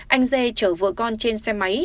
anh t chở vợ con trên xe máy